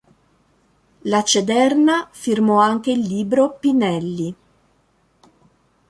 La Cederna firmò anche il libro "Pinelli.